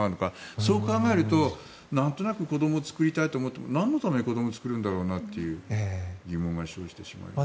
そう考えるとなんとなく子どもを作りたいと思ってもなんのために子どもを作るんだろうという疑問が生じてしまいますね。